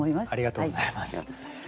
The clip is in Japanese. ありがとうございます。